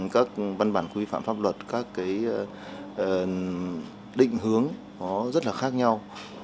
các văn bản quy phạm pháp luật các định hướng rất là khác nhau